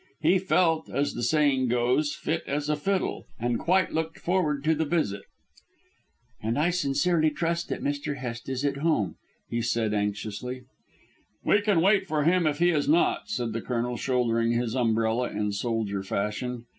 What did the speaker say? He felt, as the saying goes, as fit as a fiddle, and quite looked forward to the visit. "And I sincerely trust that Mr. Hest is at home," he said anxiously. "We can wait for him if he is not," said the Colonel, shouldering his umbrella in soldier fashion.